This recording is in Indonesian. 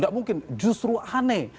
gak mungkin justru aneh